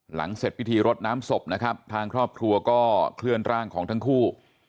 เสร็จพิธีรดน้ำศพนะครับทางครอบครัวก็เคลื่อนร่างของทั้งคู่